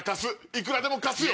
いくらでも貸すよ。